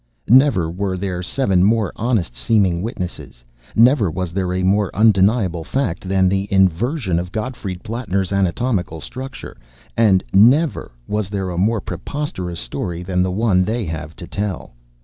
Never were there seven more honest seeming witnesses; never was there a more undeniable fact than the inversion of Gottfried Plattner's anatomical structure, and never was there a more preposterous story than the one they have to tell!